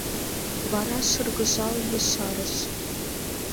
Вара шыргыжал ешарыш.